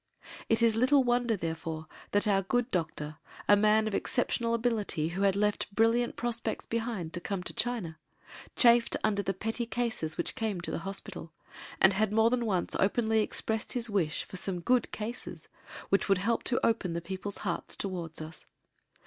It is little wonder, therefore, that our good doctor, a man of exceptional ability who had left brilliant prospects behind to come to China, chafed under the petty cases which came to the Hospital, and had more than once openly expressed his wish for some "good cases" which would help to open the people's hearts towards us.